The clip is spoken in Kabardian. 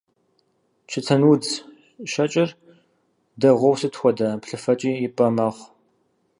Чэтэнудз щэкӀыр дэгъуэу сыт хуэдэ плъыфэкӀи ипӀэ мэхъу.